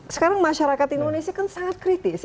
sekarang masyarakat indonesia kan sangat kritis